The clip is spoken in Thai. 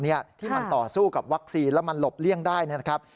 ที่มันต่อสู้กับวัคซีนแล้วมันหลบเลี่ยงได้นะครับ